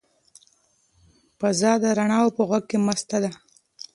فضا د زاڼو په غږ مسته ده.